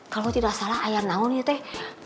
kalau tidak salah ayah nahun ya teh